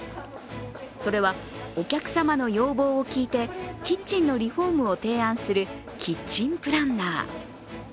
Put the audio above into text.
それはお客様の要望を聞いてキッチンのリフォームを提案するキッチンプランナー。